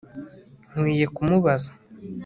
Nkwiye kumubaza